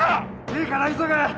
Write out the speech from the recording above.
いいから急げ！